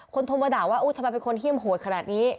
โทรมาด่าว่าทำไมเป็นคนเฮี่ยมโหดขนาดนี้